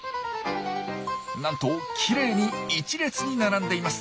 なんときれいに１列に並んでいます。